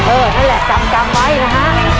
เออนั่นแหละจำไว้นะ